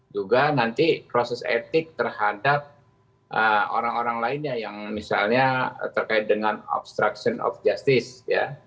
juga nanti proses etik terhadap orang orang lainnya yang misalnya terkait dengan obstruction of justice ya